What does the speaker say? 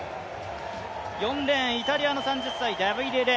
４レーン、イタリアの３０歳、ダビデ・レ。